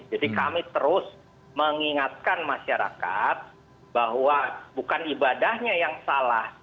jadi kami terus mengingatkan masyarakat bahwa bukan ibadahnya yang salah